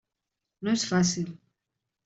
No és fàcil.